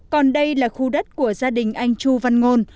còn đây là khu đất của gia đình anh chu văn ngôn